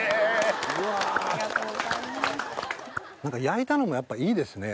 焼いたのもやっぱいいですね。